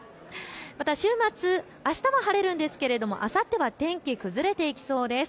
また週末、あしたは晴れるんですがあさっては天気、崩れていきそうです。